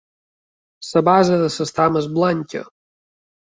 La base de l'estam és blanca.